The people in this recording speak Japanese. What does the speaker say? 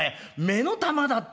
目の玉だってやら。